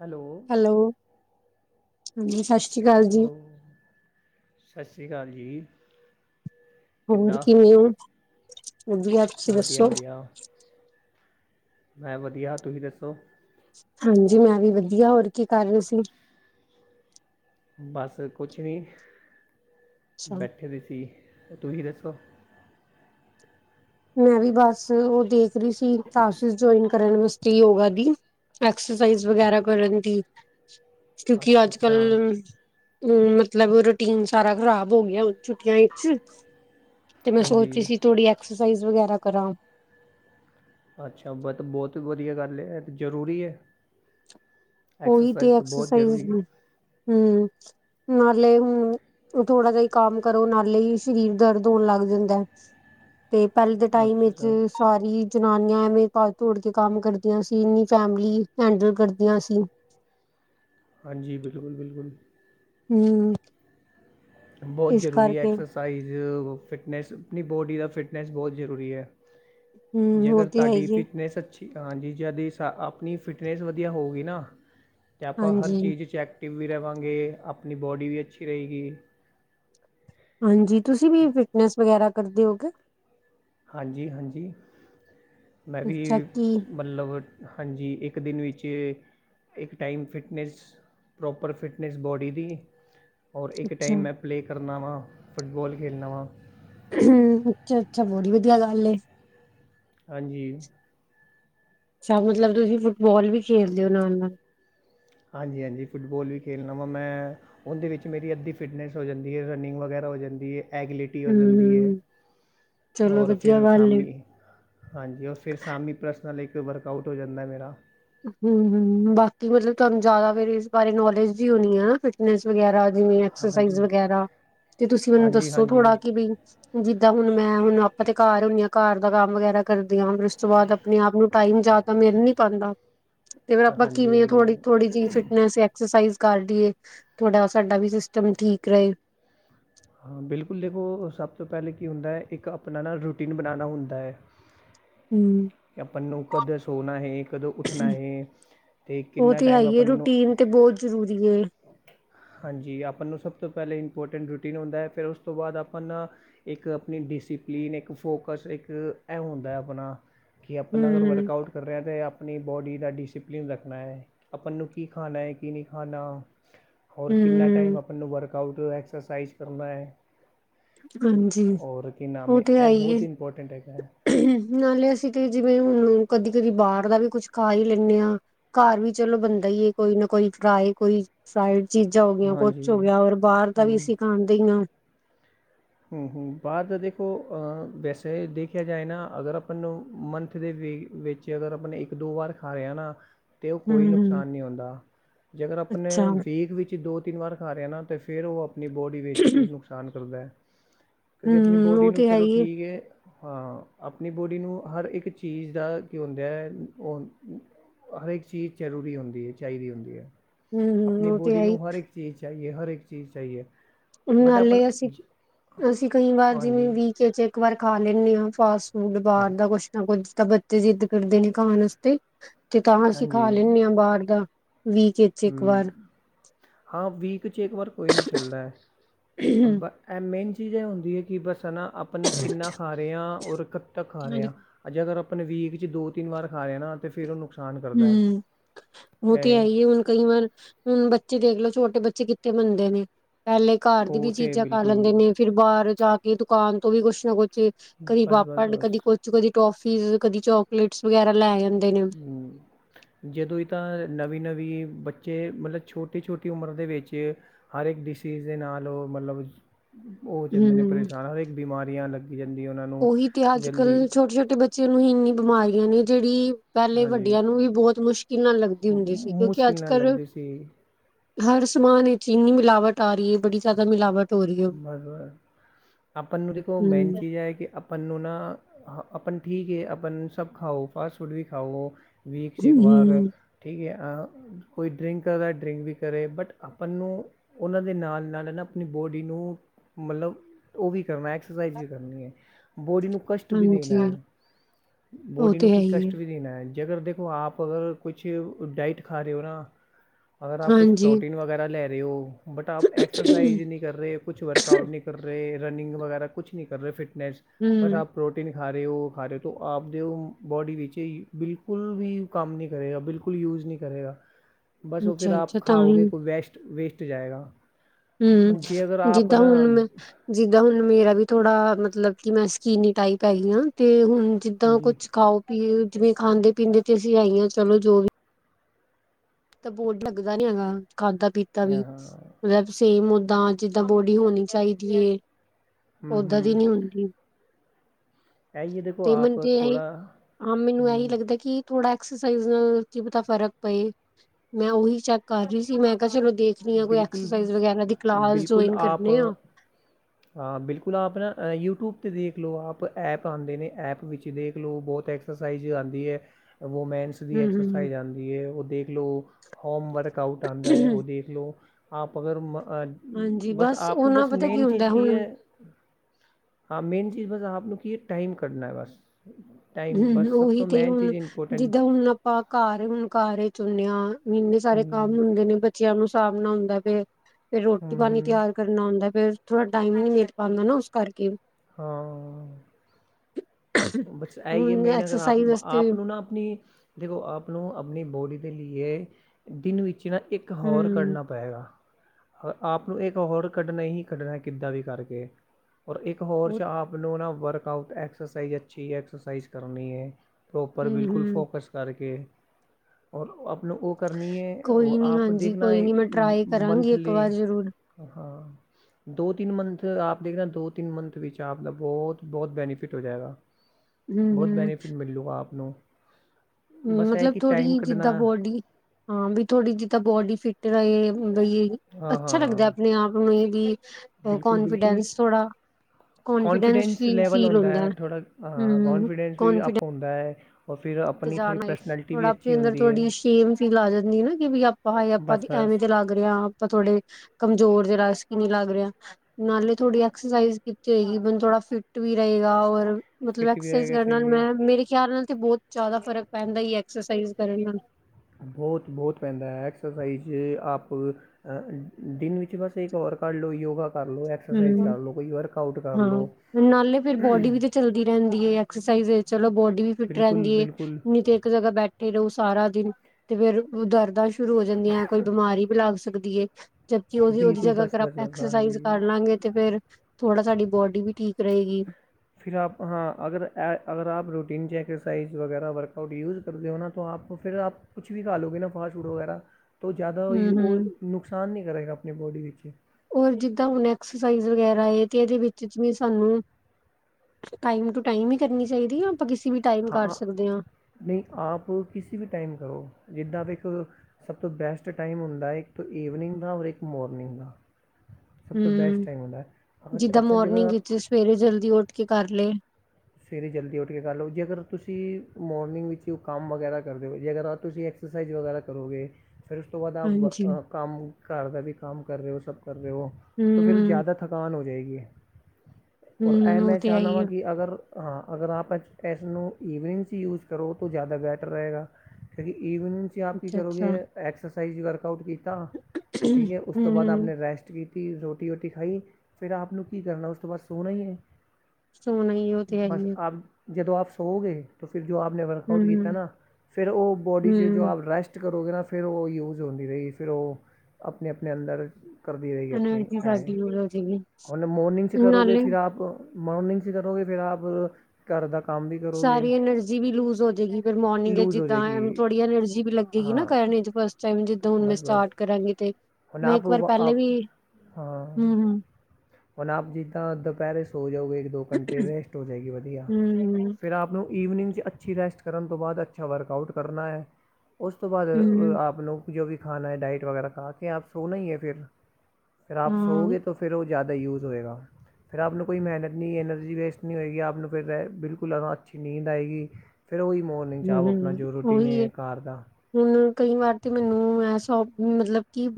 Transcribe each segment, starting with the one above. Hello. Hello. ਹਾਂਜੀ, ਸਤਿ ਸ਼੍ਰੀ ਅਕਾਲ। ਜੀ। ਹੈਲੋ, ਸਤਿ ਸ਼੍ਰੀ ਅਕਾਲ ਜੀ। ਹੋਰ ਕਿੱਦਾਂ ਕਿਵੇਂ ਓ ਵਧੀਆ ਤੁਸੀਂ ਵਧੀਆ ਦੱਸੋ? ਵਧੀਆ ਮੈਂ ਵਧੀਆ ਤੁਸੀਂ ਦੱਸੋ? ਹਾਂਜੀ ਮੈਂ ਵੀ ਵਧੀਆ ਹੋਰ ਕੀ ਕਰ ਰਹੇ ਸੀ। ਬਸ ਕੁੱਛ ਵੀ ਅੱਛਾ, ਬੈਠੇ ਹੋਏ ਸੀ ਤੁਸੀਂ ਦੱਸੋ। ਮੈਂ ਵੀ ਬਸ ਓ ਦੇਖ ਰੀ ਸੀ ਕਲਾਸਿਸ ਜੋਇਨ ਕਰਨ ਵਾਸਤੇ ਤੇ ਯੋਗਾ ਦੀ, ਐਕਸਰਸਾਈਜ਼ ਵਗੈਰਾ ਕਰਨ ਦੀ ਕਿਉਂਕਿ ਅੱਛਾ ਅੱਜ-ਕੱਲ੍ਹ ਅੱਛਾ ਹੂੰ, ਮਤਲਬ ਰੂਟੀਨ ਸਾਰਾ ਖ਼ਰਾਬ ਹੋ ਗਯਾ ਹੁਨ ਛੁੱਟੀਆਂ ਇਚ ਤੇ ਮੈਂ ਸੋਚ ਰੀ ਹਾਂਜੀ ਸੀ, ਥੋੜੀ ਐਕਸਰਸਾਈਜ਼ ਵਗੈਰਾ ਕਰਾਂ ਅੱਛਾ, ਬਟ ਬੋਤ ਵਦੀਆ ਗੱਲ ਏ, ਐ ਤੇ ਜ਼ਰੂਰੀ ਐ। ਉਈ ਤੇ ਬਹੁਤ ਐਕਸਸਾਈਜ਼, ਜ਼ਰੂਰੀ ਹੈ ਹੂੰ, ਨਾਲੇ ਹੂੰ ਓ ਥੋੜਾ ਜਾ ਈ ਕੰਮ ਕਰੋ, ਨਾਲੇ ਈ ਸ਼ਰੀਰ ਦਰਦ ਹੋਨ ਲਗ ਜਾਂਦੈ। ਤੇ ਪੈਲ੍ਹੇ ਦੇ ਟਾਈਮ ਅੱਛਾ ਵਿੱਚ ਅੱਛਾ ਸਾਰੀ ਜਨਾਨੀਆਂ ਐਵੇਂ ਭਾਜ-ਧੋੜ ਕੇ ਕੰਮ ਕਰਦੀਆਂ ਸੀ, ਇੰਨੀ ਫੈਮਿਲੀ ਹੈਂਡਲ ਕਰਦੀਆਂ ਸੀ। ਹਾਂਜੀ, ਬਿਲਕੁਲ-ਬਿਲਕੁਲ। ਹੂੰ। ਬਹੁਤ ਜ਼ਰੂਰੀ ਐ ਐਕਸਸਾਈਜ਼, ਫਿਟਨੈਸ ਅਪਨੀ ਬੋਡੀ ਦਾ ਫਿਟਨੈਸ ਬੋਤ ਜ਼ਰੂਰੀ ਐ। ਹਮ ਉਹ ਜੇਕਰ ਤੇ ਹੈ ਤਾਡੀ ਹੀ ਹੈ ਫਿਟਨੈਂਸ ਅੱਛੀ ਹਾਂਜੀ, ਜਦੀ ਸਾ ਆਪਨੀ ਫਿਟਨੈਂਸ ਵਦੀਆ ਹੋਊਗੀ ਨਾ, ਤੇ ਆਪਾ ਹਰ ਹਾਂਜੀ ਚੀਜ਼ ਚੈੱਕ ਐਕਟਿਵ ਵੀ ਰਵਾਂਗੇ, ਆਪਨੀ ਬੋਡੀ ਵੀ ਅੱਛੀ ਰਏਗੀ। ਹਾਂਜੀ, ਤੁਸੀ ਵੀ ਫਿਟਨੈਸ ਵਗੈਰਾ ਕਰਦੇ ਓ ਕੇ? ਹਾਂਜੀ-ਹਾਂਜੀ, ਮੈਂ ਅੱਛਾ ਵੀ ਕੀ ਮਲਬ ਹਾਂਜੀ, ਇੱਕ ਦਿਨ ਵਿੱਚ ਇੱਕ time fitness proper fitness body ਦੀ ਏ ਔਰ ਇੱਕ ਟਾਈਮ ਅੱਛਾ ਮੈਂ ਪਲੇ ਕਰਨਾ ਵਾਂ, ਫੁੱਟਬੋਲ ਖੇਲਨਾ ਵਾਂ ਹੂੰ, ਅੱਛਾ-ਅੱਛਾ ਬੋਤ ਵਦੀਆ ਗਾਲ ਏ। ਹਾਂਜੀ। ਅੱਛਾ, ਮਤਲਬ ਤੁਸੀ ਫੁੱਟਬੋਲ ਵੀ ਖੇਡਦੇ ਓ ਨਾਲ-ਨਾਲ ਹਾਂਜੀ-ਹਾਂਜੀ ਫੁੱਟਬੋਲ ਵੀ ਖੇਲਨਾ ਵਾਂ ਮੈਂ ਓਂਦੇ ਵਿੱਚ ਮੇਰੀ ਅੱਧੀ ਫਿਟਨੈਸ ਹੋ ਜਾਂਦੀ ਏ, ਰਨਿੰਗ ਵਗੈਰਾ ਹੋ ਜਾਂਦੀ ਏ, ਐਗਲਿਟੀ ਹੋ ਹਮ ਜਾਂਦੀ ਏ। ਹਮ ਚਲੋ ਔਰ ਵਧੀਆ ਫਿਰ ਗੱਲ ਏ ਸ਼ਾਮੀ, ਹਾਂਜੀ, ਹੋਰ ਫਿਰ ਸ਼ਾਮੀ ਪ੍ਰਸ ਇੱਕ ਵਰਕਆਊਟ ਹੋ ਜਾਂਦੈ ਮੇਰਾ। ਹੂੰ-ਹੂੰ, ਬਾਕੀ ਮਤਲਬ ਤੁਆਨੂੰ ਜਾਦਾ ਫੇਰ ਇਸ ਬਾਰੇ ਨੋਲੇਜ ਜੀ ਹੋਨੀ ਆ ਨਾ, ਫੇਰ ਵਗੈਰਾ, ਜਿਵੇਂ ਐਕਸਸਾਈਜ ਹਾਂਜੀ ਵਗੈਰਾ ਤੇ ਤੁਸੀ ਮੈਨੂੰ ਹਾਂਜੀ ਦਸੋ ਹਾਂਜੀ ਥੋੜਾ ਕਿ ਬੀ ਜਿੱਦਾ ਹੁਨ ਮੈਂ, ਹੁਨ ਆਪਾ ਤੇ ਘਾਰ ਹੁਨੇ ਆ, ਘਾਰ ਦਾ ਕੰਮ ਵਗੈਰਾ ਕਰਦੀ ਆਂ, ਫਿਰ ਉਸ ਤੋ ਬਾਦ ਆਪਨੇ-ਆਪ ਨੂੰ ਟਾਈਮ ਜਾਦਾ ਮਿਲ ਨੀ ਪਾਂਦਾ। ਤੇ ਫਿਰ ਆਪਾ ਹਾਂਜੀ ਕਿਵੇਂ ਹਾਂਜੀ ਥੋੜੀ-ਥੋੜੀ ਜੀ ਫਿਟਨੈਂਸ ਐਕਸਰਸਾਈਜ਼ ਕਾਰਦੀ ਏ, ਥੋੜਾ ਸਾਡਾ ਵੀ ਸਿਸਟਮ ਠੀਕ ਰਏ। ਹਾਂ, ਬਿਲਕੁਲ ਦੇਖੋ ਸਬ ਤੋ ਪੈਲੇ ਕੀ ਹੁੰਦੈ, ਇੱਕ ਅਪਨਾ ਨਾ ਰੂਟੀਨ ਬਨਾਨਾ ਹੁੰਦੈ। ਹੂੰ। ਕਿ ਆਪਾ ਨੂੰ ਕੱਦੋਂ ਸੋਨਾ ਹੇ, ਕਦੋਂ ਉਠਨਾ ਹੇ। ਓ ਤੇ ਹੈ ਈ ਏ, ਰੂਟੀਨ ਤੇ ਬੋਤ ਜ਼ਰੂਰੀ ਏ। ਹਾਂਜੀ, ਆਪਾਂ ਨੂੰ ਸਬ ਤੋ ਪੈਲੇ ਇੰਪੋਟੈਂਟ ਰੂਟੀਨ ਹੁੰਦਾ ਏ, ਫੇਰ ਉਸ ਤੋ ਬਾਦ ਆਪਾਂ ਨਾ ਇਕ ਆਪਨੀ ਡਿਸੀਪਲਿਨ, ਇਕ ਫੋਕਸ, ਇਕ ਐ ਹੁੰਦੈਂ ਅਪਨਾ ਕੇ ਅਪਨਾ ਅਗਰ ਹੂੰ-ਹੂੰ ਵਰਕਆਊਟ ਕਰ ਰੇਆਂ ਤੇ ਆਪਨੀ ਬੋਡੀ ਦਾ ਡਿਸੀਪਲਿਨ ਰੱਖਨਾ। ਆਪਾਂ ਨੂੰ ਕੀ ਖਾਣਾਂ ਏ, ਕੀ ਨਹੀਂ ਖਾਣਾਂ। ਹੋਰ ਕਿੰਨਾ ਟਾਈਮ ਆਪਾਂ ਨੂੰ ਵਰਕਆਊਟ, ਐਕਸਰਸਾਈਜ਼ ਕਰਨਾ ਐ। ਹਾਂਜੀ ਔਰ ਕੀ ਨਾਮ ਉਹ ਏ, ਤੇ ਹੈ ਐਹ ਹੀ ਹੈ। ਬਹੁਤ ਇਮਪੋਟੈਂਟ ਹੈਗਾ। ਨਾਲੇ ਅਸੀਂ ਤੇ ਜਿਵੇਂ ਹੁਣ, ਕਦੀ-ਕਦੀ ਬਾਹਰ ਦਾ ਵੀ ਕੁਛ ਖਾ ਹੀ ਲੈਂਨੇ ਆ। ਘਰ ਵੀ ਚਲੋ ਬੰਦਾ ਈ ਏ, ਕੋਈ ਨਾ ਕੋਈ ਫਰਾਈ, ਕੋਈ ਸਾਈਡ ਚੀਜਾਂ ਹੋਗੀਆਂ, ਕੁੱਛ ਹੋ ਗੇਆ, ਹੋਰ ਬਾਰ ਦਾ ਵੀ ਅਸੀ ਖਾਂਦੇ ਈ ਆਂ। ਹੂੰ, ਹੂੰ ਬਾਰ ਦਾ ਦੇਖੋ ਅ ਵੈਸੇ ਦੇਖੇਆ ਜਾਏ ਨਾ ਅਗਰ ਅਪਾਂ ਨੂੰ ਮੰਥ ਦੇ ਵਿ ਵਿੱਚ ਤੇ ਅਗਰ ਅਪਨੇ ਇੱਕ-ਦੋ ਵਾਰ ਖਾਏਆ ਨਾ ਤੇ ਓ ਕੋਈ ਹਮ। ਨੁਕਸਾਨ ਨੀ ਹੁੰਦਾ, ਜੇਕਰ ਅਪਨੂ ਅੱਛਾ ਹਮ ਵੀਕ ਵਿੱਚ ਦੋ ਤਿੰਨ ਵਾਰ ਖਾ ਰੇਆ ਨਾ ਤੇ ਫਿਰ ਓ ਅਪਨੀ ਬੋਡੀ ਵਿੱਚ ਨੁਕਸਾਨ ਕਰਦੈ। ਕਿਉਂਕਿ ਅਪਨੀ ਬੋਡੀ ਉਹ ਨੂੰ ਤੇ ਹੈ ਚਲੋ ਹੀ ਠੀਕ ਏ ਹਾਂ, ਅਪਨੀ ਬੋਡੀ ਨੂੰ ਹਰ ਇੱਕ ਚੀਜ ਦਾ ਕੀ ਹੁੰਦੈ, ਓ ਹਰ ਇੱਕ ਚੀਜ ਜਰੂਰੀ ਹੁੰਦੀ ਏ, ਚਾਈਦੀ ਹੁੰਦੀ ਏ, ਹਮ ਅਪਨੀ ਉਹ ਤੇ ਬੋਡੀ ਹੈ ਹੀ ਨੂੰ ਹਰ ਇੱਕ ਚੀਜ ਚਾਈਏ, ਹਰ ਇੱਕ ਚੀਜ ਚਾਈਏ, ਬਟ ਅਪਨਾ ਜ ਅਸੀ ਕਈ ਵਾਰ ਜਿਵੇਂ ਹਾਂਜੀ ਵੀਕ ਏੱਚ ਏੱਕ ਵਾਰ ਖਾ ਲੈਂਨੇ ਆਂ ਫਾਸਟ [unintelligible] ਬਾਰ ਦਾ ਕੁੱਛ ਨਾ ਕੁੱਛ ਤਾਂ ਬੱ ਤੇ ਜਿੱਦ ਕਰਦੇ ਨੇ ਖਾਨ ਅਸਤੇ ਤੇ ਤਾਂ ਅਸੀ ਹਾਂਜੀ ਖਾ ਲੈਨੇ ਆਂ ਬਾਰ ਦਾ ਵੀਕ ਚ ਇੱਕ ਹੂੰ, ਵਾਰ ਹਾਂ ਵੀਕ ਚ ਏਕ ਵਾਰ ਕੋਈ ਨੀ ਚੱਲਦੈ ਬ ਐ ਮੇਨ ਚੀਜ ਏ ਹੁੰਦੀ ਏ, ਕਿ ਬਸ ਨਾ ਅਪਨ ਕਿੰਨਾ ਖਾ ਰੇ ਆਂ ਔਰ ਕੱਦ ਤੱਕ ਖਾ ਰੇ ਆਂ। ਅਜ ਅਗਰ ਅਪਨੇ ਵੀਕ ਚ ਦੋ-ਤਿੰਨ ਵਾਰ ਖਾਏਆ ਨਾ, ਤੇ ਫਿਰ ਨੁਕਸ ਹੂੰ, ਵੋ ਤੇ ਹੈ ਈ ਏ, ਹੁਨ ਕਂਈ ਵਾਰ ਹੁਨ ਬੱਚੇ ਦੇਖਲੋ, ਛੋਟੇ ਬੱਚੇ ਕਿੱਥੇ ਮੰਨਦੇ ਨੇ, ਪ੍ਹੈਲੇ ਘਾਰ ਦੀ ਉਹ ਵੀ ਤਾਂ ਚੀਜ਼ਾਂ ਖਾ ਬਿਲਕੁਲ ਲੈਂਦੇ ਨੇ, ਫਿਰ ਬਾਰ ਜਾ ਕੇ ਦੁਕਾਨ ਤੋਂ ਵੀ ਕੁੱਛ ਨਾ ਕੁੱਛ, ਕਦੀ ਬਸ ਬਸ ਪਾਪੜ, ਬਸ ਕਦੀ ਕੁੱਛ ਤੇ ਕਦੀ ਟੋਫੀਜ਼, ਕਦੀ ਚੋਕਲੇਟਸ ਵਗੈਰਾ ਲੈ ਆਂਦ। ਹੂੰ। ਜਦੋਂ ਤਾਂ ਨਵੀਂ-ਨਵੀਂ ਬੱਚੇ ਮਤਲਬ ਛੋਟੀ-ਛੋਟੀ ਉਮਰ ਦੇ ਵਿੱਚ ਹਰ ਏਕ ਡਿਸੀਜ਼ ਦੇ ਨਾਲ ਓ ਮਤਲਬ ਓ ਹੋ ਜਾਂਦੇ ਨੇ ਹਮ ਪਰੇਸ਼ਾਨ, ਹਰ ਏਕ ਬਿਮਾਰੀਆਂ ਲਗ ਗੀ ਜਾਂਦੀ ਓਨਾਂ ਨ ਓਹੀ ਤੇ ਅੱਜ-ਕੱਲ ਛੋਟੇ-ਛੋਟੇ ਬੱਚੇ ਨੂੰ ਇੰਨੀ ਬਿਮਾਰੀਆਂ ਨੇ ਜੇੜੀ ਪ੍ਹੈਲੇ ਹਾਂਜੀ ਵੱਡੇਆਂ ਨੂੰ ਵੀ ਬੋਤ ਮੁਸ਼ਕਿਲ ਨਾਲ ਲੱਗਦੀ ਮੁ- ਹੁੰਦੀ ਸੀ, ਕਿਉਂਕਿ ਮੁਸ਼ਕਿਲ ਨਾਲ ਆੱਜ-ਕੱਲ ਲੱਗਦੀ ਸੀ ਹਰ ਸਮਾਨ ਇਚ ਇੰਨੀ ਮਿਲਾਵਟ ਆ ਰੀ ਏ ਬੜੀ ਜਾਦਾ ਮਿਲਾਵਟ। ਹੋ ਰਹੀ ਹੈ [inaudible] ਅਪਾਂ ਹਮ ਨੂੰ ਨਾ ਅਪਨ ਠੀਕ ਏ, ਅਪਨ ਸਬ ਖਾਓ ਫਾਸਟ ਫੂਡ ਵੀ ਖਾਓ ਵੀਕ ਚ ਏਕ ਵਾਰ। ਹਮ ਠੀਕ ਏ, ਅ ਕੋਈ ਡਰਿੰਕ ਕਰ ਰਾਐ ਡਰਿੰਕ ਵੀ ਕਰੇ, ਬਟ ਅਪਾਂ ਨੂੰ ਓਨਾਂ ਦੇ ਨਾਲ-ਨਾਲ ਨਾ ਅਪਨੀ ਬੋਡ ਡੀ ਨੂੰ ਮਤਲਬ ਓ ਵੀ ਕਰਨੈ, ਐਕਸੇਸਾਈਸ ਵੀ ਕਰਨੀ ਏ, ਬੋਡੀ ਨੂੰ ਕਸ਼ਟ ਵੀ ਹਾਂਜੀ ਦੇਨੈ, ਉਹ ਬੋਡੀ ਨੂੰ ਤੇ ਹੈ ਕੀ ਹੀ ਹੈ ਕਸ਼ਟ ਵੀ ਦੇਨੈ ਜੇ ਅਗਰ ਦੇਖੋ ਆਪ ਅਗਰ ਕੁੱਛ ਡਾਈਟ ਖਾਰੇ ਓ ਨਾ ਅਗਰ ਆਪ ਕੁੱਛ ਹਾਂਜੀ ਪ੍ਰੋਟੀਨ ਵਗੈਰਾ ਲੈ ਰੇ ਓ ਬਟ ਆਪ ਐਕਸਰਸਾਈਜ਼ ਨੀ ਕਰ ਰੇ ਕੁੱਛ ਵਰਕ ਆਊਟ ਨੀ ਕਰ ਰੇ ਰਨਿੰਗ ਵਗੈਰਾ ਕੁੱਛ ਨੀ ਕਰ ਰੇ ਫਿਟਨੈਸ, ਬੱਸ ਹੂੰ, ਆਪ ਪ੍ਰੋਟੀਨ ਖਾ ਰੇ ਓ, ਓ ਖਾ ਰੇ ਓ, ਤੋ ਆਪਦੇ ਬੋਡੀ ਵਿੱਚ ਬਿਲਕੁਲ ਵੀ ਕੰਮ ਨੀ ਕਰੇਗਾ ਬਿਲਕੁਲ ਯੂਜ਼ ਨੀ ਕਰੇਗਾ, ਬਾੱਸ ਓ ਫਿਰ ਆਪ ਅੱਛਾ-ਅੱਛਾ ਤਾਂ ਹੀ ਖਾਓਗੇ ਕੋਈ ਵੈਸਟ ਵੇਸਟ ਜਾਏਗਾ। ਹੁਣ ਹੂੰ, ਜੇ ਅਗਰ ਆਪ ਜਿੱਦਾਂ ਨਾ ਹੁਨ ਮੈਂ ਜਿੱਦਾਂ ਹੁਨ ਮੇਰਾ ਵੀ ਥੋੜਾ ਮਤਲਬ ਕਿ ਮੈਂ ਸਕੀਨੀ ਟਾਈਪ ਹੈੈਗੀ ਆਂ, ਤੇ ਹੁਨ ਜਿੱਦਾਂ ਹਾਂਜੀ ਕੁੱਛ ਖਾਓ ਪੀਓ, ਜਿਵੇਂ ਖਾਂਦੇ ਪੀਂਦੇ ਤੇ ਅਸੀ ਹੈਈ ਆਂ, ਚਲੋ ਜੋ ਵੀ ਤਾ ਬੋਡ ਲੱਗਦਾ ਨੀ ਹੈਗਾ, ਖਾੱਦਾ ਪੀਤਾ ਵੀ ਹਾਂ ਹਾਂ ਮਲਬ ਸੇਮ ਓਦਾਂ, ਜਿੱਦਾਂ ਬੋਡੀ ਹੋਨੀ ਚਾਈਦੀ ਏ, ਓਦਾਂ ਦੀ ਨੀ ਹੁੰਦੀ। ਤੇ ਮੈਨੂੰ ਤੇ ਐਹੀ, ਹਾਂ ਮੈਨੂੰ ਐਹੀ ਲੱਗਦੈ ਕਿ ਥੋੜਾ ਐਕਸਰਸਾਈਜ਼ ਕੀ ਪਤਾ ਫਰਕ ਪਏ ਮੈਂ ਉਹੀ ਚੈਕ ਕਰ ਰਹੀ ਸੀ ਮੈਂ ਕਿਹਾ ਚਲੋ ਦੇਖ ਕੋਈ ਐਕਰਸਾਈਜ਼ ਵਗੈਰਾ ਦੀ ਕਲਾਸ ਜੁਆਇੰਨ ਕਰਨੇ ਓ। ਹਾਂ, ਬਿਲਕੁਲ ਆਪ ਨਾ ਯੂਟਿਊਬ ਤੇ ਦੇਖਲੋ ਆਪ ਐਪ ਆਂਦੇ ਨੇ ਐਪ ਵਿੱਚ ਦੇਖਲੋ ਬਹੁਤ ਐ ਐਕਸਰਸਾਈਜ਼ ਵੂਮੈਨਸ, ਦੀ ਹੂੰ-ਹੂੰ ਐਕਸਰਸਾਈਜ਼ ਆਂਦੀ ਐ ਉਹ ਦੇਖਲੋ ਹੋਮ ਵਰਕ ਆਊਟ ਆਂਦਾ ਉਹ ਦੇਖ ਲਓ ਆਪ ਅਗਰ ਅ ਹਾਂਜੀ ਬਸ ਆਪ ਨੂੰ ਉਹਨਾਂ ਬਸ ਪਤਾ ਮੇਨ ਚੀਜ਼ ਹੁੰਦਾ ਕੀ ਹੁਣ ਐ। ਹਾਂ ਮੇਨ ਚੀਜ਼ ਬਸ ਆਪ ਨੂੰ ਕੀ ਐ ਟਾਈਮ ਕੱਢਨਾ ਬਸ ਟਾਈਮ ਹੂੰ, ਬਸ ਸਭ ਉਹੀ ਤੋਂ ਤੇ ਮੇਨ ਚੀਜ਼ ਹੁਣ ਇੰਪੋਰਟੈਂਟ ਜਿੱਦਾਂ ਹੁਣ ਆਪਾਂ ਘਰ ਹੁਣ ਘਰ ਵਿੱਚ ਹੁੰਨੇ ਆ ਵੀ ਇੰਨੇ ਸਾਰੇ ਹੂੰ ਕੰਮ ਹੁੰਦੇ ਨੇ। ਬੱਚਿਆਂ ਨੂੰ ਸਾਬਣਾ ਹੁੰਦਾ ਫੇ ਫਿਰ ਰੋਟੀ ਹੂੰ ਪਾਣੀ ਹੂੰ, ਤਿਆਰ ਕਰਨਾ ਹੁੰਦਾ ਫੇਰ ਥੋੜਾ ਟਾਈਮ ਨੀ ਮਿਲ ਪਾਂਦਾ ਨਾ ਉਸ ਕਰਕੇ ਹਾਂ। ਬਸ ਐਈ ਐ ਹੁਣ ਮੇਨ ਅਗਰ ਐਕਸਰਸਾਈਜ਼ ਵਾਸਤੇ ਵੀ ਆਪ-ਆਪ ਨੂੰ ਨਾ। ਆਪਣੀ ਦੇਖੋ ਆਪ ਨੂੰ ਆਪਣੀ ਬੋਡੀ ਦੇ ਲਈਏ ਦਿਨ ਵਿੱਚ ਨਾ ਇੱਕ ਇੱਕ ਹੋਰ ਹੂੰ ਕਰਨਾ ਪਏਗਾ। ਆਪ ਨੂੰ ਇੱਕ ਹੋਰ ਕੱਢਣਾ ਹੀ ਕੱਢਣਾ ਕਿੱਦਾਂ ਵੀ ਕਰਕੇ ਔਰ ਇੱਕ ਹੋਰ ਉਹ ਆਪ ਨੂੰ ਨਾ ਵਰਕਆਊਟ ਐਕਸਰਸਾਈਜ਼ ਅੱਛੀ ਐਕਸਰਸਾਈਜ਼ ਕਰਨੀ ਏ। ਪ੍ਰੋਪਰ ਹੂੰ ਬਿਲਕੁਲ ਹੂੰ ਫੋਕਸ ਕਰਕੇ ਔਰ ਆਪ ਨੂੰ ਓ। ਕਰਨੀ ਐ ਕੋਈ ਔਰ ਨੀ ਆਪ ਹਾਂਜੀ ਦੇਖਣਾ ਕੋਈ ਏ ਨੀ ਮੈਂ ਟਰਾਈ ਕਰਾਂਗੀ ਇੱਕ ਮੰਥਲੀ ਵਾਰ ਜ਼ਰੂਰ ਹਾਂ। ਦੋ ਤਿੰਨ ਮੰਨਥ ਆਪ ਦੇਖਣਾ ਦੋ ਤਿੰਨ ਮੰਨਥ ਵਿੱਚ ਆਪ ਦਾ ਬੋਤ-ਬੋਤ ਬੈਨੀਫਿਟ ਹੋ ਜਾਏਗਾ। ਹੂੰ ਬਹੁਤ ਹੂੰ ਬੈਨੀਫਿਟ ਮਿਲੂਗਾ ਆਪ ਨੂੰ ਹੂੰ, ਬਸ ਇਹ ਮਤਲਬ ਕਿ ਥੋੜੀ ਟਾਈਮ ਕੱਢਣਾ ਜਿੱਦਾਂ ਬੋਡੀ ਹਾਂ, ਵੀ ਥੋੜ੍ਹੀ ਜੀ ਤਾਂ ਬੋਡੀ ਫਿਟ ਰਹੇ ਬਈ ਹਾਂ ਅੱਛਾ ਲੱਗਦਾ ਹਾਂ ਆਪਣੇ ਆਪ ਨੂੰ ਏ ਵੀ ਬਿਲਕੁਲ ਬਿਲਕੁਲ ਕੋਨਫੀਡੈਂਸ ਥੋੜਾ ਕੋਨਫੀਡੈਂਸ ਕੌਨਫੀਡੈਂਸ ਫੀ ਲੈਵਲ ਫੀਲ ਹੁੰਦਾ ਹੈ ਥੋੜ੍ਹਾ ਹਾਂ ਹੂੰ ਕੌਨਫੀਡੈਂਸ ਵੀ ਕੋਨਫੀਡੈਂਸ ਅਪ ਹੁੰਦਾ ਹੈ ਔਰ ਫਿਰ ਤੇ ਆਪਣੀ ਥੋੜੀ ਜਾਣਾ ਪ੍ਰੈਸਨੈਲ ਥੋੜਾ ਆਪਣੇ ਅੰਦਰ ਥੋਡੀ ਸ਼ੇਮ ਫੀਲ ਆ ਜਾਂਦੀ ਨਾ ਕਿ ਵੀ ਆਪਾਂ ਹਾਏ ਆਪਾਂ ਬਸ ਐਵੇਂ ਬਸ ਦੇ ਲੱਗ ਰੇ ਆ। ਆਪਾਂ ਥੋੜੇ ਕਮਜ਼ੋਰ ਜੇ ਰਸਕਨੀ ਲੱਗ ਰਹੇ ਆ। ਨਾਲੇ ਥੋੜੀ ਐਕਸਰਸਾਈਜ਼ ਕੀਤੀ ਹੋਏਗੀ ਈਵਨ ਥੋੜਾ ਫਿੱਟ ਵੀ ਰਹੇਗਾ ਔਰ ਮਤਲਬ ਫਿਟ ਵੀ ਐਕਸਸਾਈਜ਼ ਰਹੇਗਾ ਕਰਨ ਨਾਲ ਸਹੀ ਮੈਂ ਹੈ ਮੇਰੇ ਖਿਆਲ ਨਾਲ ਤੇ ਬਹੁਤ ਜ਼ਿਆਦਾ ਫ਼ਰਕ ਪੈਂਦਾ ਈ ਐਕਸਰਸਾਈਜ਼ ਕਰਨ ਨਾਲ ਬੋਤ-ਬੋਤ ਪੈਂਦਾ ਐਕਸਰਸਾਈਜ਼ ਆਪ ਆ ਦਿਨ ਵਿੱਚ ਬਸ ਇੱਕ ਔਰ ਕੱਢਲੋ ਓ ਯੋਗਾ ਕਰ ਲਓ ਐਕਸਰਸਾਈਜ਼ ਹੂੰ, ਕਰ ਲਓ ਕੋਈ ਵਰਕਆਊਟ ਕਰ ਲਓ ਹਾਂ, ਨਾਲੇ ਫਿਰ ਬੋਡੀ ਵੀ ਤੇ ਚੱਲਦੀ ਰਹਿੰਦੀ ਐ। ਐਕਸਰਸਾਈਜ਼ ਚਲੋ, ਬੋਡੀ ਵੀ ਫਿਟ ਬਿਲਕੁਲ ਰਹਿੰਦੀ ਐ, ਬਿਲਕੁਲ ਨੀ ਤੇ ਇੱਕ ਜਗ੍ਹਾ ਬੈ ਠੇ ਫੇਰ ਐ ਸਾਰਾ ਦਿਨ, ਤੇ ਫੇਰ ਦਰਦਾਂ ਸ਼ੁਰੂ ਹੋ ਜਾਂਦੀਆਂ। ਕੋਈ ਬਿਮਾਰੀ ਵੀ ਲੱਗ ਸਕਦੀ ਏ। ਜਦਕਿ ਓ ਉਹਦੀ ਬਿਲਕੁਲ ਜਗ੍ਹਾ ਅਗਰ ਬਸ ਬਸ ਆਪਾਂ ਬਸ ਐਕਸਰਸਾਈਜ਼। ਹਾਂਜੀ ਕਰਾਂਗੇ ਤੇ ਫੇਰ, ਥੋੜਾ ਸਾਡੀ ਬੋਡੀ ਵੀ ਠੀਕ ਰਹੇਗੀ। ਫਿਰ ਆਪ ਹਾਂ, ਅਗਰ ਐ ਅਗਰ ਆਪ ਰੂਟੀਨ 'ਚ ਐਕਸਰਸਾਈਜ਼ ਵਗੈਰਾ, ਵਰਕਆਊਟ ਯੂਜ਼ ਕਰਦੇ ਓ ਨਾ ਤੋਂ ਆਪ ਫਿਰ ਆਪ ਕੁਛ ਵੀ ਖਾ ਲੋਗੇ ਨਾ, ਫਾਸਟ-ਫੂਡ ਵਗੈਰਾ ਓ ਜ਼ਿਆਦਾ ੳਈ ਹਮ ਓ, ਹਮ ਨੁਕਸਾਨ ਨਹੀਂ ਕਰੇਗਾ ਆਪਣੀ ਬੋਡੀ ਵਿੱਚ। ਔਰ ਜਿੱਦਾਂ ਹੁਣ ਐਕਸਰਸਾਈਜ਼ ਵਗੈਰਾ ਏ, ਤੇ ਇਹਦੇ ਵਿੱਚ ਜਿਵੇਂ ਸਾਨੂੰ ਟਾਈਮ ਟੂ ਟਾਈਮ ਈ ਕਰਨੀ ਚਾਹੀਦੀ ਆ ਜਾ ਆਪਾਂ ਕਿਸੇ ਵੀ ਟਾਈਮ ਹਾਂ ਕਰ ਹਾਂ, ਸਕਦੇ ਆ। ਨਹੀਂ, ਆਪ ਕਿਸੇ ਵੀ ਟਾਈਮ ਕਰੋ ਜਿੱਦਾਂ ਵੇਖੋ ਸਭ ਤੋਂ ਬੈਸਟ ਟਾਈਮ ਹੁੰਦਾ ਏ, ਇੱਕ ਤੋਂ ਈਵਨਿੰਗ ਦਾ ਔਰ ਇੱਕ ਮੋਰਨਿੰਗ ਦਾ। ਸਭ ਤੋਂ ਬੈਸਟ ਹਮ ਟਾਈਮ ਹੁੰਦਾ ਹੈ ਜਿੱਦਾਂ ਅੱਛਾ ਮੋਰਨਿੰਗ ਜਦੋਂ ਵਿੱਚ ਸਵੇਰੇ ਜਲਦੀ ਉੱਠ ਕੇ ਕਰ ਲਏ। ਸਵੇਰੇ ਜਲਦੀ ਉੱਠ ਕੇ ਕਰ ਲਓ। ਜੇਕਰ ਤੁਸੀਂ ਮੋਰਨਿੰਗ ਵਿੱਚ ਉਹ ਕੰਮ ਵਗੈਰਾ ਕਰਦੇ ਹੋ, ਜੇਕਰ ਰਾਤ ਤੁਸੀਂ ਐਕਸ ਐਕਸਰਸਾਈਜ਼ ਵਗੈਰਾ ਕਰੋਗੇ। ਫਿਰ ਉਸ ਤੋਂ ਬਾਅਦ ਹਾਂਜੀ ਆਪ ਕੰਮ ਘਰ ਦਾ ਵੀ ਕੰਮ ਕਰ ਰਹੇ ਹੋ। ਸਭ ਕਰ ਰਹੇ ਹੋ ਤਾਂ ਕਿਉਂਕਿ ਹਮ ਜ਼ਿਆਦਾ ਥਕਾਨ ਹੋ ਜਾਏਗੀ ਔਰ ਹੂੰ, ਉਹ ਮੈਂ ਤੇ ਹੈ ਚਾਹੁੰਦਾ ਹੀ ਹਾਂ ਆ। ਕਿ ਅਗਰ ਹਾਂ ਅਗਰ ਆਪ ਇਸ ਨੂੰ ਈਵਨਿੰਗ 'ਚ ਯੂਜ ਕਰੋ ਤਾਂ ਜ਼ਿਆਦਾ ਬੈਟਰ ਰਹੇਗਾ [unintelligible] ਈਵਨ ਆਪ ਕੀ ਅੱਛਾ-ਅੱਛਾ, ਕਰੋਗੇ ਐਕਸਰਸਾਈਜ਼ ਵਰਕਆਊਟ ਕੀਤਾ ਠੀਕ ਹੈ। ਉਸ ਤੋਂ ਬਾਅਦ ਆਪ ਹੂੰ-ਹੂੰ। ਨੇ ਰੈਸਟ ਕੀਤੀ ਰੋਟੀ ਰੋਟੀ ਖਾਈ ਫਿਰ ਆਪ ਨੂੰ ਕੀ ਕਰਨਾ ਉਸ ਤੋਂ ਬਾਅਦ ਸੋਣਾ ਹੀ ਹੈ। ਸੋਹਣਾ ਹੀ ਹੈ। ਤੇ ਬਸ ਹੀ ਆ, ਆਪ ਜਦੋਂ ਆਪ ਸੋਗੇ ਫਿਰ ਜੋ ਆਪ ਨੇ ਵਰਕਆਊਟ ਕੀਤਾ ਹੂੰ-ਹੂੰ, ਨਾ ਫਿਰ ਉਹ ਬੋਡੀ ਹੂੰ 'ਚ ਜੋ ਹੂੰ, ਆਪ ਰੈਸਟ ਰੈਸਟ ਕਰੋਗੇ ਨਾ ਫਿਰ ਉਹ ਯੂਜ ਹੁੰਦੀ ਰਹੀ ਫਿਰ ਉਹ ਆਪਣੇ ਆਪਣੇ ਅੰਦਰ ਕਰਦੀ ਰਹੇਗੀ ਆਪਣੀ ਐਨਰਜੀ ਆਏ ਸਾਡੀ ਯੂਜ ਹੋ ਜਾਏਗੀ। ਔਰਨ ਮੋਰਨਿੰਗ 'ਚ ਕਰੋਗੇ ਨਾਲੇ ਫਿਰ ਆਪ ਮੋਨਿੰਗ ਚ ਕਰੋਗੇ ਫਿਰ ਆਪ ਘਰ ਦਾ ਕੰਮ ਵੀ ਕਰ ਸਾਰੀ ਐਨਰਜੀ ਵੀ ਲੂਜ ਹੋ ਜਾਏਗੀ ਫਿਰ ਮੋਰਨਿੰਗ ਲੂਜ਼ ਹੋ ਜਿੱਦਾਂ ਜਾਏਗੀ ਥੋੜੀ ਐਨਰਜੀ ਵੀ ਲੱਗੀ ਲੱਗੇਗੀ ਨਾ ਹਾਂ ਕਰਨ ਫਸਟ ਟਾਈਮ ਜਿੱਦਾਂ ਹੁਣ ਮੈਂ ਬਸ ਬਸ ਸਟਾਰਟ ਕਰਾਂਗੀ ਤੇ ਹੁਣ ਮੈਂ ਇੱਕ ਆਪੋ ਵਾਰ ਵੇ ਪਹਿਲੇ ਆਪ ਵੀ ਹਾਂ। ਹੂੰ-ਹੂੰ, ਹੁਣ ਆਪ ਜੀ ਤਾਂ ਦੁਪਹਿਰੇ ਸੋ ਜਾਊਗੇ ਇੱਕ ਦੋ ਘੰਟੇ ਰੈਸਟ ਹੋ ਜਾਏਗੀ ਵਧੀਆ ਹੂੰ-ਹੂੰ, ਹੂੰ, ਫਿਰ ਆਪ ਨੂੰ ਈਵਨਿੰਗ 'ਚ ਅੱਛੀ ਰੈਸਟ ਕਰਨ ਤੋਂ ਬਾਅਦ ਅੱਛਾ ਵਰਕਆਊਟ ਕਰਨਾ ਹੈ। ਉਸ ਤੋਂ ਬਾਅਦ ਹੂੰ ਹੂੰ, ਆਪ ਨੂੰ ਜੋ ਵੀ ਖਾਣਾ ਹੈ ਡਾਇਟ ਵਗੈਰਾ ਖਾ ਕੇ ਆਪ ਸੋਣਾ ਹੀ ਹੈ ਫਿਰ ਫਿਰ ਆਪ ਹਾਂ, ਸੋਗੇ ਤਾਂ ਫਿਰ ਉਹ ਜ਼ਿਆਦਾ ਯੂਜ ਹੋਏਗਾ ਫਿਰ ਆਪ ਨੂੰ ਕੋਈ ਮਿਹਨਤ ਨਹੀਂ ਐਨਰਜੀ ਵੇਸਟ ਨਹੀਂ ਹੋਏਗੀ ਆਪ ਨੂੰ ਫਿਰ ਰਹਿ ਬਿਲਕੁਲ ਅੱਛੀ ਨੀਂਦ ਆਏਗੀ ਫਿਰ ਉਹੀ ਮੋੜ ਜਾਓ ਆਪਣਾ ਹੂੰ-ਹੂੰ, ਜੋ ਰੋਟੀ ਉਹੀ ਨੇ ਹੈ। ਘਰ ਦਾ ਹੁਣ ਕਈ ਵਾਰ ਤੇ ਮੈਨੂੰ ਐਸਾ ਮਤਲਬ ਕਿ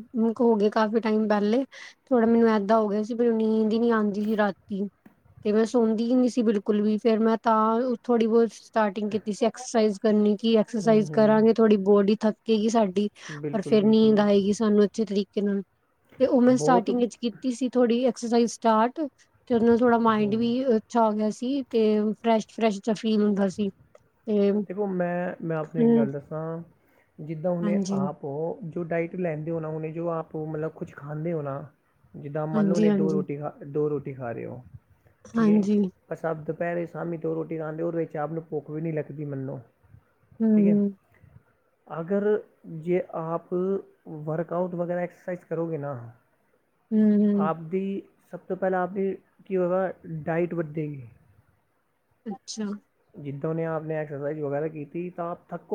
ਹੋ ਗਏ ਕਾਫੀ ਟਾਈਮ ਪਹਿਲੇ ਥੋੜਾ ਮੈਨੂੰ ਇਦਾਂ ਹੋ ਗਿਆ ਸੀ ਪਰ ਉਹ ਨੀਂਦ ਹੀ ਨਹੀਂ ਆਉਂਦੀ ਸੀ ਰਾਤੀ ਤੇ ਮੈਂ ਸੌਦੀ ਹੀ ਨੀ ਸੀ ਬਿਲਕੁਲ ਵੀ ਫਿਰ ਮੈਂ ਤਾਂ ਥੋੜੀ ਬਹੁਤ ਸਟਾਰਟਿੰਗ ਕੀਤੀ ਸੀ ਐਕਸਰਸਾਈਜ਼ ਕਰਨੀ ਕਿ ਐਕਸਰਸਾਈਜ਼ ਕਰਾਂਗੇ ਥੋਡੀ ਬੋਡੀ ਥੱਕੇਗੀ ਸਾਡੀ ਪਰ ਬਿਲਕੁਲ ਫਿਰ ਨੀਂਦ ਬਿਲਕੁਲ ਆਏਗੀ ਸਾਨੂੰ ਅੱਛੇ ਤਰੀਕੇ ਨਾਲ ਤੇ ਉਹ ਮੈਂ ਬਹੁਤ ਸਟਾਰਟਿੰਗ ਵਿੱਚ ਕੀਤੀ ਸੀ ਥੋੜੀ ਐਕਸਰਸਾਈਜ਼ ਸਟਾਰਟ ਤੇ ਉਹਨੂੰ ਥੋੜਾ ਮਾਇੰਡ ਵੀ ਅੱਛਾ ਹੋ ਗਿਆ ਸੀ ਤੇ ਫਰੈਸ਼ ਫਰੈਸ਼ ਫੀਲ ਹੁੰਦਾ ਸੀ। ਤੇ ਫਿਰ ਹੁਣ ਮੈਂ ਮੈਂ ਆਪਣੀ ਇੱਕ ਗੱਲ ਦੱਸਾਂ ਜਿੱਦਾਂ ਉਹਨੇ ਹਾਂਜੀ ਆਪ ਉਹ ਜੋ ਡਾਇਟ ਲੈਂਦੇ ਹੋ ਨਾ ਉਹਨੇ ਜੋ ਆਪ ਮਤਲਬ ਕੁਛ ਖਾਂਦੇ ਹੋ ਨਾ ਜਿੱਦਾਂ ਮੰਨ ਲਓ ਹਾਂਜੀ ਹਾਂਜੀ ਦੋ ਹਾਂਜੀ ਰੋਟੀ ਖਾ ਦੋ ਰੋਟੀ ਖਾ ਰਹੇ ਹੋ ਠੀਕ ਹੈ। ਹਾਂਜੀ ਬਸ ਆਪ ਦੁਪਹਿਰੇ ਸ਼ਾਮੀ ਤੋਂ ਰੋਟੀ ਖਾਣਦੇ ਉਹਦੇ ਚ ਆਪ ਨੂੰ ਭੁੱਖ ਵੀ ਨਹੀਂ ਲੱਗਦੀ ਮੈਨੂੰ ਹੂੰ, ਠੀਕ ਹੈ। ਹੂੰ, ਅਗਰ ਜੇ ਆਪ ਵਰਕ ਆਊਟ ਵਗੈਰਾ ਐਕਸਰਸਾਈਜ਼ ਕਰੋਗੇ ਨਾ ਹੂੰ, ਹੂੰ, ਆਪਦੀ ਸਭ ਤੋਂ ਪਹਿਲਾਂ ਆਪਦੀ ਕੀ ਹੋਗਾ ਡਾਇਟ ਵਧੇਗੀ ਅੱਛਾ। ਜਿੱਦਾਂ ਨੇ ਆਪ ਨੇ ਐਕਸਰਸਾਈਜ਼ ਵਗੈਰਾ ਕੀਤੀ ਤਾਂ ਆਪ ਥੱਕੋ